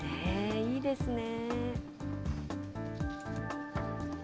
いいですね。